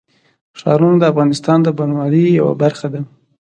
ښارونه د افغانستان د بڼوالۍ یوه برخه ده.